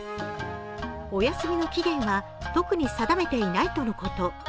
お休みの期限は、特に定めていないとのこと。